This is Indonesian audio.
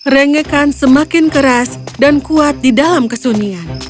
rengekan semakin keras dan kuat di dalam kesunyian